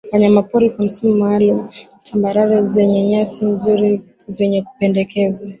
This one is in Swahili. Wanyamapori kwa msimu maalumu Tambarare zenye nyasi nzuri zenye kupendeza